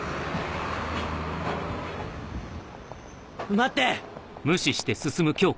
待って！